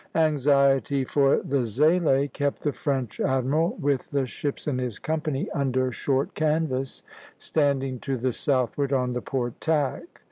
Anxiety for the "Zélé" kept the French admiral, with the ships in his company, under short canvas, standing to the southward on the port tack (A).